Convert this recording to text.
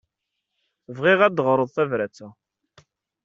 Bɣiɣ ad teɣṛeḍ tabrat-a.